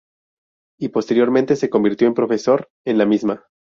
Y posteriormente se convirtió en profesor en la misma.